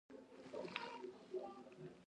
دوی خپل قوتونه په مثل یا طایفو سره متحد کړي وو.